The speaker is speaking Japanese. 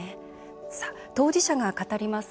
当事者が語ります